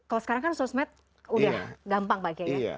kalau sekarang kan sosmed udah gampang pak kiai ya